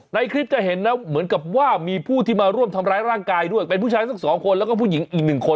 ในคลิปจะเห็นนะเหมือนกับว่ามีผู้ที่มาร่วมทำร้ายร่างกายด้วยเป็นผู้ชายสักสองคนแล้วก็ผู้หญิงอีกหนึ่งคน